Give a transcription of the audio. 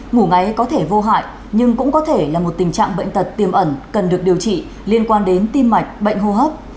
ngủ máy có thể vô hại nhưng cũng có thể là một tình trạng bệnh tật tiềm ẩn cần được điều trị liên quan đến tim mạch bệnh hô hấp